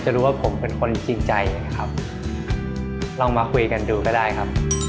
จริงเหรอจริงเหรอเป็นฝั่งนี้จ้ะ